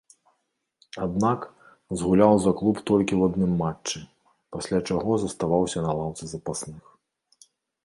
Аднак, згуляў за клуб толькі ў адным матчы, пасля чаго заставаўся на лаўцы запасных.